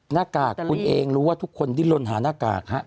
หน้ากากคุณเองรู้ว่าทุกคนดิ้นลนหาหน้ากากฮะ